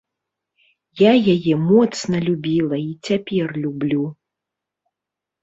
Я яе моцна любіла і цяпер люблю!